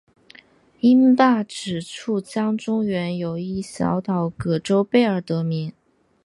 因坝址处江中原有一小岛葛洲坝而得名。